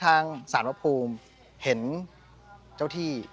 ชื่องนี้ชื่องนี้ชื่องนี้ชื่องนี้ชื่องนี้